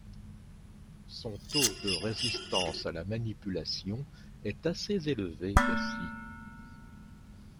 son taux de résistance à la manipulation est assez élevé aussi.